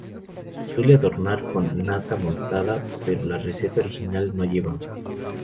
Se suele adornar con nata montada pero la receta original no llevaba.